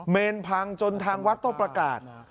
เนรพังจนทางวัดต้องประกาศ